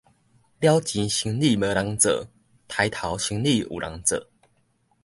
了錢生理無人做，刣頭生理有人做